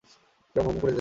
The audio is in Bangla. কেমন ভুমভুম করছে দেখেছিস?